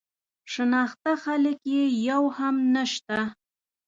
شناخته خلک یې یو هم نه شته.